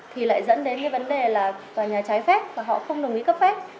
thì lại dẫn đến cái vấn đề là tòa nhà trái phép và họ không đồng ý cấp phép